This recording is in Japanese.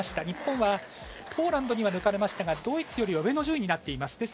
日本はポーランドには抜かれましたがドイツよりは上の順位になっています。